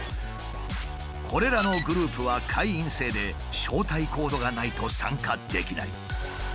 これらのグループは会員制で招待コードがないと参加できない。